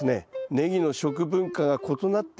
ネギの食文化が異なっている。